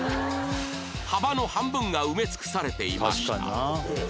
幅の半分が埋め尽くされていました